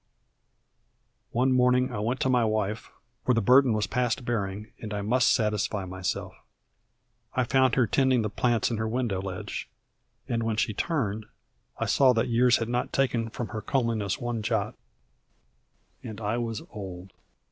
One morning I went to my wife; for the burden was past bearing, and I must satisfy myself. I found her tending the plants on her window ledge; and when she turned, I saw that years had not taken from her comeliness one jot. And I was old.